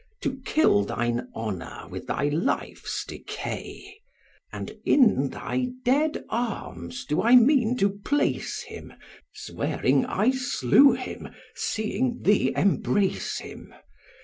To kill thine honour with thy life's decay; And in thy dead arms do I mean to place him, Swearing I slew him, seeing thee embrace him.